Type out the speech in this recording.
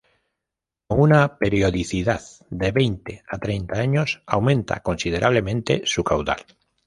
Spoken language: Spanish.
Con una periodicidad de veinte a treinta años aumenta considerablemente su caudal.